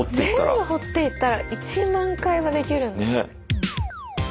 全部掘っていったら１万回はできる。